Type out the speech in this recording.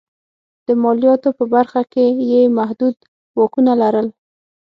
د مالیاتو په برخه کې یې محدود واکونه لرل.